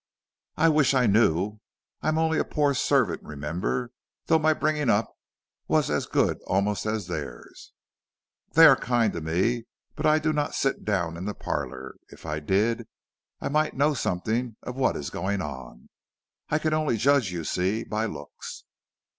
"I wish I knew. I am only a poor servant, remember, though my bringing up was as good almost as theirs. They are kind to me, but I do not sit down in the parlor; if I did, I might know something of what is going on. I can only judge, you see, by looks."